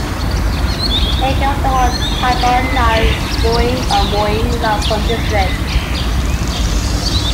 It covers the whole "tambon" Nai Mueang of Mueang Lamphun district.